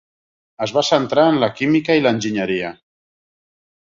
Es va centrar en la química i l'enginyeria.